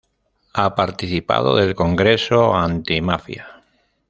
Ha participado del Congreso Antimafia.